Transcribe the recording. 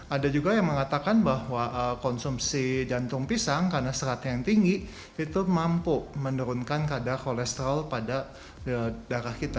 ada juga yang mengatakan bahwa konsumsi jantung pisang karena seratnya yang tinggi itu mampu menurunkan kadar kolesterol pada darah kita